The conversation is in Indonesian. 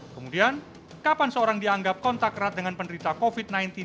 kemudian kapan seorang dianggap kontak erat dengan penderita covid sembilan belas